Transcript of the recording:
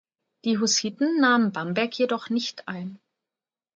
Die Hussiten nahmen Bamberg jedoch nicht ein.